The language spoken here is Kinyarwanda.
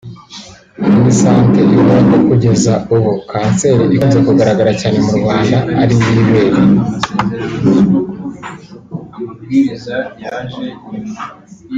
Minisante ivuga ko kugeza ubu kanseri ikunze kugaragara cyane mu Rwanda ari iy’ibere